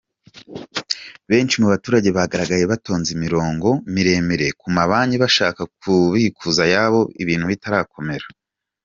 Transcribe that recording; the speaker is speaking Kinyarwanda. Benshi mu baturage bagaragaye batonze imirongo miremire ku mabanki bashaka kubikuza ayabo ibintu bitarakomera.